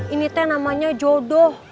ini teh namanya jodoh